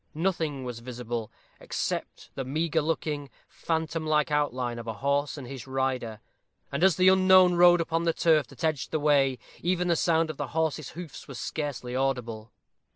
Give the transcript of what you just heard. Nothing was visible except the meagre looking, phantom like outline of a horse and his rider, and, as the unknown rode upon the turf that edged the way, even the sound of the horse's hoofs was scarcely audible.